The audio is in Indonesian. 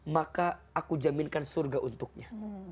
maka aku jaminkan surga untuknya